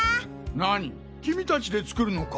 何君たちで作るのか？